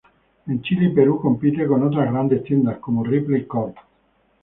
En Chile y Perú compite con otras grandes tiendas como Ripley Corp.